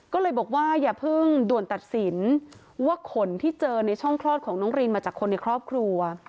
ก็เลยบอกว่าอย่าเพิ่งด่วนตัดสินว่าขนที่เจอในช่องคลอดของน้องรินมาจากคนในครอบครัว